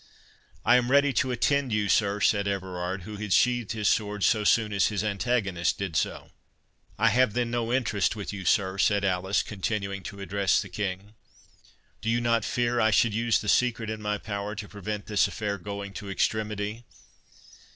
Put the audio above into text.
"I am ready to attend you, sir," said Everard, who had sheathed his sword so soon as his antagonist did so. "I have then no interest with you, sir," said Alice, continuing to address the King—"Do you not fear I should use the secret in my power to prevent this affair going to extremity?